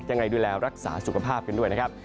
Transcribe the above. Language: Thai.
ยังไงดูแลรักษาสุขภาพกันด้วยนะครับ